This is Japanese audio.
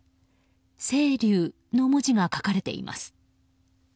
「せいりゅう」の文字が書かれています。